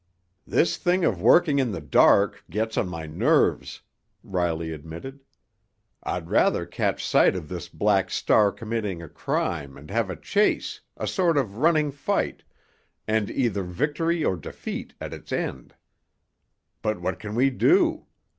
"This thing of working in the dark gets on my nerves," Riley admitted. "I'd rather catch sight of this Black Star committing a crime and have a chase, a sort of running fight, and either victory or defeat at its end. But what can we do?